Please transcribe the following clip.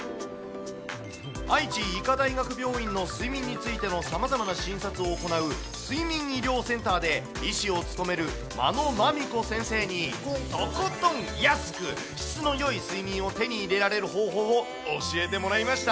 愛知医科大学病院の睡眠についてのさまざまな診察を行う睡眠医療センターで医師を務める眞野まみこ先生に、とことん安く、質のよい睡眠を手に入れられる方法を教えてもらいました。